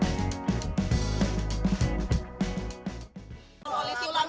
bukalkar minta lima kursi pak